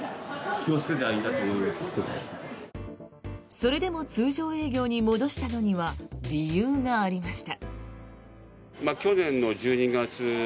それでも通常営業に戻したのには理由がありました。